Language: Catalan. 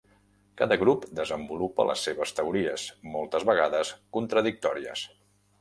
Cada grup desenvolupa les seves teories, moltes vegades contradictòries.